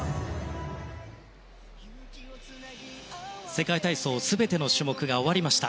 世界体操全ての種目が終わりました。